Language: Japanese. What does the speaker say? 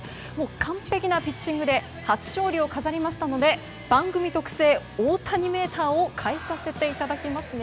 完璧なピッチングで初勝利を飾りましたので番組特製、大谷メーターを変えさせていただきます。